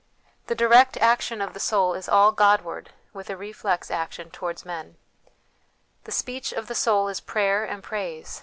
The direct action of the soul is all Godward, with a reflex action towards men. The speech of the soul is prayer and praise